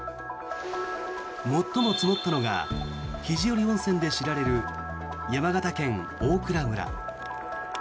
最も積もったのが肘折温泉で知られる山形県大蔵村。